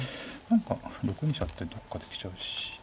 ６二飛車ってどっかで来ちゃうし。